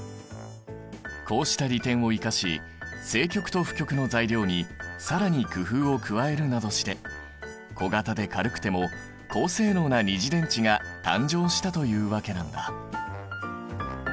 こうした利点を生かし正極と負極の材料に更に工夫を加えるなどして小型で軽くても高性能な二次電池が誕生したというわけなんだ。